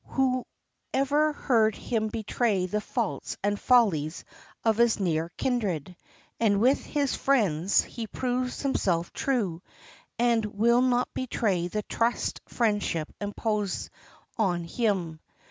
Who ever heard him betray the faults and follies of his near kindred? And with his friends he proves himself true, and will not betray the trust friendship imposes on him.